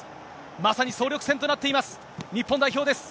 まさに総力戦となっています、日本代表です。